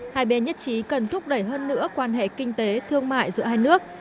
hai bên nhất trí cần thúc đẩy hơn nữa quan hệ kinh tế thương mại giữa hai nước